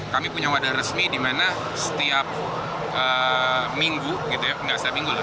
kami punya wadah resmi di mana setiap minggu gitu ya nggak setiap minggu lah